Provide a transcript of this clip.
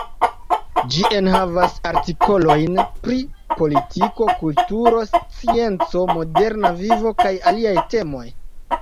Ĝi enhavas artikolojn pri politiko, kulturo, scienco, moderna vivo kaj aliaj temoj.